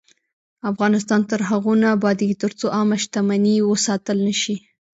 افغانستان تر هغو نه ابادیږي، ترڅو عامه شتمني وساتل نشي.